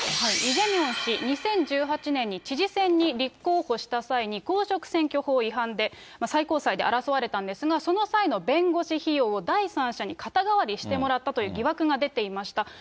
イ・ジェミョン氏、２０１８年に知事選に立候補した際に、公職選挙法違反で最高裁で争われたんですが、その際の弁護士費用を第三者に肩代わりしてもらったという疑惑が出ていました。